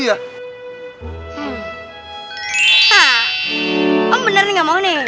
hah om bener nih gak mau nih